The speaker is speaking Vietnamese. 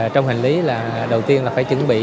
trong hành lý là đầu tiên phải chuẩn bị